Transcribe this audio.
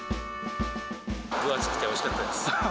分厚くておいしかったです。